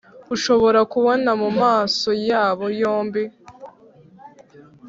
ushobora kubona mumaso yabo yombi